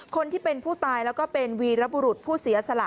คนที่เป็นผู้ตายแล้วก็เป็นวีรบุรุษผู้เสียสละ